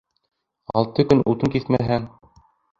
Алты көн утын киҫмәһәң